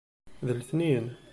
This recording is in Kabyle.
D letniyen.